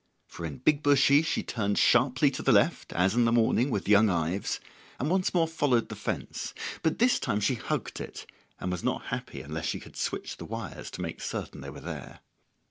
For in Big Bushy she turned sharply to the left, as in the morning with young Ives, and once more followed the fence; but this time she hugged it, and was not happy unless she could switch the wires to make certain they were there.